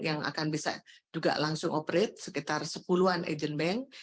yang akan bisa juga langsung operate sekitar sepuluhan asian bank